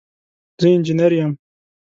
زه انجنیر یم